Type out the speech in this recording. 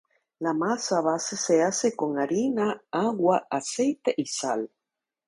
La masa base se hace con harina, agua, aceite y sal.